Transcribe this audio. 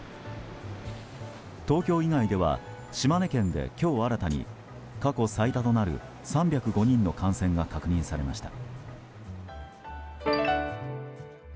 東京以外では島根県で今日新たに過去最多となる３０５人の感染が確認されました。